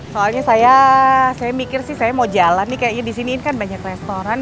soalnya saya saya mikir sih saya mau jalan nih kayaknya di sini kan banyak restoran